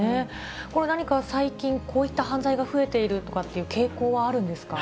これ何か最近、こういった犯罪が増えているとかっていう傾向はあるんですか。